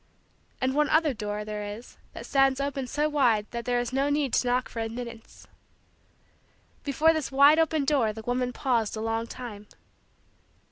And one other door there is that stands open wide so that there is no need to knock for admittance. Before this wide open door the woman paused a long time.